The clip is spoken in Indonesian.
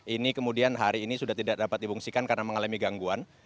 ini kemudian hari ini sudah tidak dapat dibungsikan karena mengalami gangguan